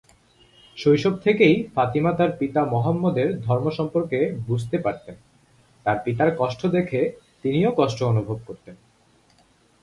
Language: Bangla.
শৈশব থেকেই ফাতিমা তার পিতা মুহাম্মাদের ধর্ম সম্পর্কে বুঝতে পারতেন, তার পিতার কষ্ট দেখে তিনিও কষ্ট অনুভব করতেন।